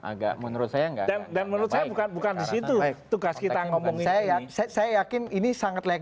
agak menurut saya nggak baik